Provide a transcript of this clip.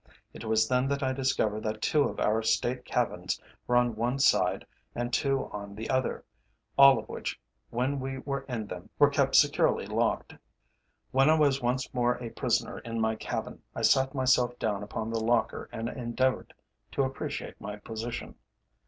It was then that I discovered that two of our state cabins were on one side and two on the other, all of which when we were in them were kept securely locked. When I was once more a prisoner in my cabin, I sat myself down upon the locker and endeavoured to appreciate my position.